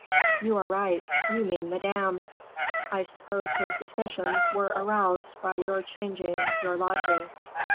"You are right: you mean Madame; I suppose her suspicions were aroused by your changing your lodgings."